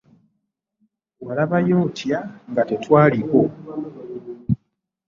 Walabayo otya nga tetwaliko?